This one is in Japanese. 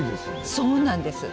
そうなんです。